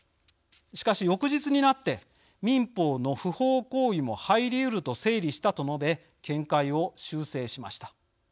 しかし、翌日になって「民法の不法行為も入りうる」と整理したと述べ見解を修正しました。